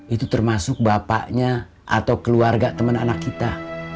itu termasuk bapaknya atau keluarga teman anak kita